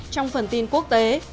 trong phần tin quốc tế